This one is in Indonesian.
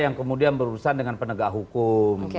yang kemudian berurusan dengan penegak hukum